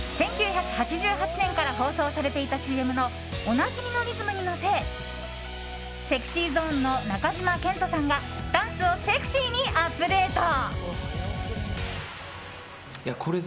１９８８年から放送されていたＣＭのおなじみのリズムに乗せＳｅｘｙＺｏｎｅの中島健人さんがダンスをセクシーにアップデート。